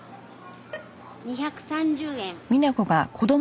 ２３０円。